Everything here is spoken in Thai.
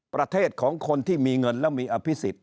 ประเทศของคนที่มีเงินและมีอภิษฎ